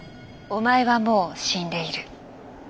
「おまえはもう死んでいる」。